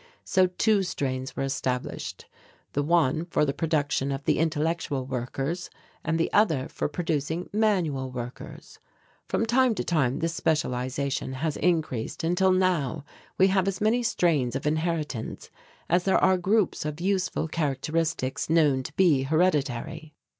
So two strains were established, the one for the production of the intellectual workers, and the other for producing manual workers. From time to time this specialization has increased until now we have as many strains of inheritance as there are groups of useful characteristics known to be hereditary.